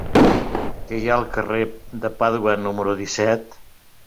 Què hi ha al carrer de Pàdua número disset?